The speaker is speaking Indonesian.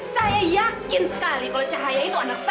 saya yakin sekali kalau cahaya itu anak saya